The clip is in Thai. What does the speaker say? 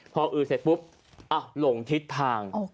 พออืดเสร็จปุ๊บหลงทิศทาง